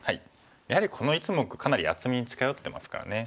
やはりこの１目かなり厚みに近寄ってますからね。